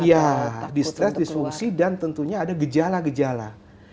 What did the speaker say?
ya distress disfungsi dan tentunya ada gejala gejala